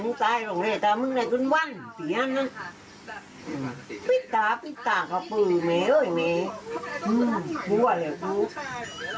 มึงไปตามกับมึงไปตามกับก็อุ๋นทางก็ตามถึงตรงนู้นกัน